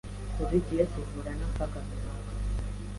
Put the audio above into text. Buri gihe duhura n’akaga runaka.